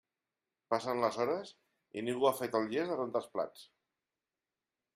Passen les hores i ningú ha fet el gest de rentar els plats.